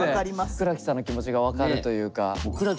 倉木さんの気持ちが分かるというか。